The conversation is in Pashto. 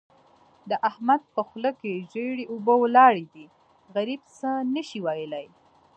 د احمد په خوله کې ژېړې اوبه ولاړې دي؛ غريب څه نه شي ويلای.